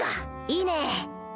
いいね！